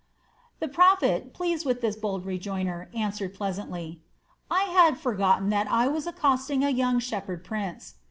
The prophet, pleased with the bold rejoinder, answered pleasantly: "I had forgotten that I was accosting a young shepherd prince."